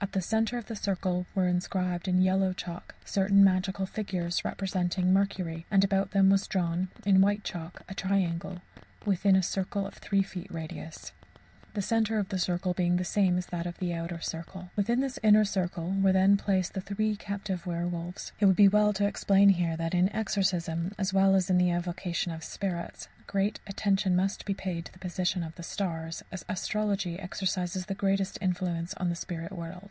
At the centre of the circle were inscribed, in yellow chalk, certain magical figures representing Mercury, and about them was drawn, in white chalk, a triangle within a circle of three feet radius the centre of the circle being the same as that of the outer circle. Within this inner circle were then placed the three captive werwolves. It would be well to explain here that in exorcism, as well as in the evocation of spirits, great attention must be paid to the position of the stars, as astrology exercises the greatest influence on the spirit world.